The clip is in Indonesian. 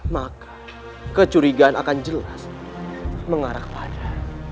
maka kecurigaan akan jelas mengarah pada